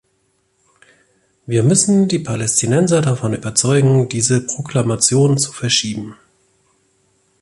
Wir müssen die Palästinenser davon überzeugen, diese Proklamation zu verschieben.